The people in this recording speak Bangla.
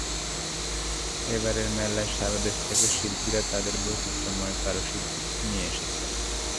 এবারের মেলায় সারা দেশ থেকে শিল্পীরা তাঁদের বৈচিত্র্যময় কারুশিল্প নিয়ে এসেছেন।